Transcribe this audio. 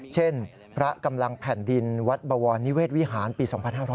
เช่นพระกำลังแผ่นดินวัดบวรนิเวศวิหารปี๒๕๕๙